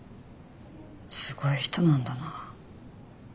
すごい人なんだな。